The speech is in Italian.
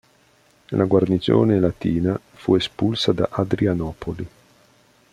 La guarnigione latina fu espulsa da Adrianopoli.